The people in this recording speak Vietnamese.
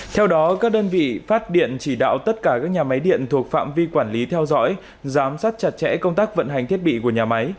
theo đó các đơn vị phát điện chỉ đạo tất cả các nhà máy điện thuộc phạm vi quản lý theo dõi giám sát chặt chẽ công tác vận hành thiết bị của nhà máy